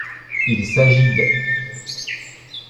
Il s'agit d'.